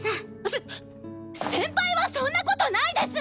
せっ先輩はそんなことないです！